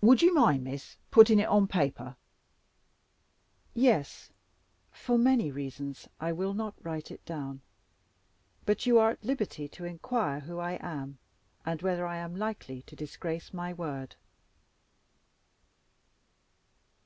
"Would you mind, Miss, putting it on paper?" "Yes: for many reasons, I will not write it down. But you are at liberty to inquire who I am, and whether I am likely to disgrace my word."